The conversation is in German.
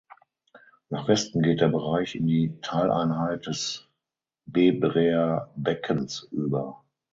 Nach Westen geht der Bereich in die Teileinheit des „Bebraer Beckens“ über.